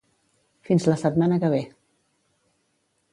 Fins la setmana que ve.